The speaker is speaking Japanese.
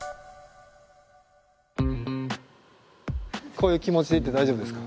こういう気持ちで行って大丈夫ですか？